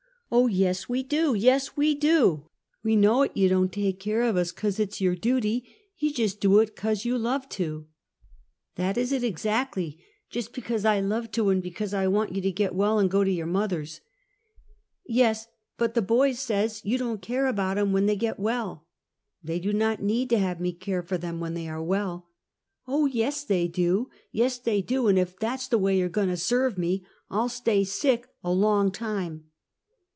" Oh, yes, we do! yes, we do! we know 'at you don't take care uv us 'cause it's your jutyl you jist do it 'cause you love to! " 19 290 Half a Centuey. "That is it exactly — just because I love to, and be cause I want you to get well and go to your mothers." " Tes ! but the boys says you don't care about 'em when they get well." " They do not need to have me care for them when they are well." " Oh, yes, they do! yes, they do! an' if that's the way you're a goin' to serve me, I'll stay sick a long time."